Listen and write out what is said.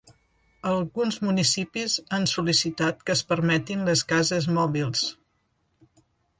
Alguns municipis han sol·licitat que es permetin les cases mòbils.